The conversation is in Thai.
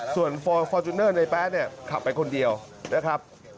ส่วนฟอร์จูเนอร์ในแป๊ะเนี่ยขับไปคนเดียวนะครับ